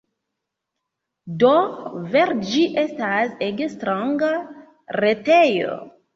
Do, vere ĝi estas ege stranga retejo.